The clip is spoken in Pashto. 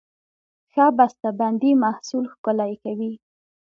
ښه بسته بندي محصول ښکلی کوي.